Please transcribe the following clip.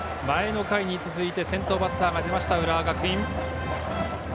前の回に続いて先頭バッターが出ました浦和学院。